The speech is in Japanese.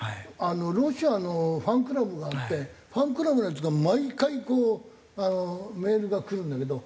ロシアのファンクラブがあってファンクラブの奴から毎回メールが来るんだけど。